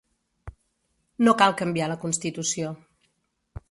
No cal canviar la constitució.